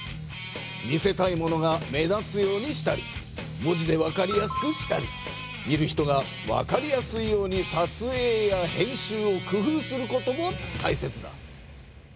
見せたいものが目立つようにしたり文字で分かりやすくしたり見る人が分かりやすいように撮影や編集を工夫することもたいせつだ。